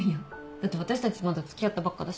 だって私たちまだ付き合ったばっかだし